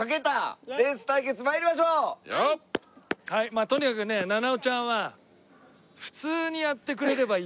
まあとにかくね菜々緒ちゃんは普通にやってくれればいいですから。